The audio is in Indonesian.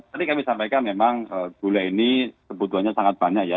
tadi kami sampaikan memang gula ini kebutuhannya sangat banyak ya